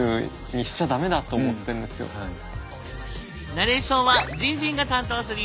ナレーションはじんじんが担当するよ！